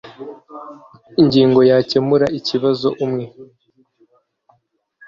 Ingingo ya gukemura ikibazo umwe